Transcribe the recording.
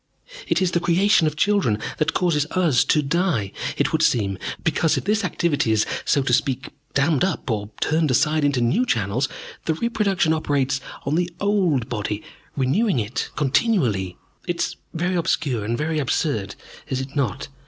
It is the creation of children that causes us to die, it would seem, because if this activity is, so to speak, dammed up or turned aside into new channels, the reproduction operates on the old body, renewing it continually. It is very obscure and very absurd, is it not?